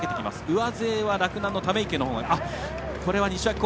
上背は、洛南の溜池のほうが。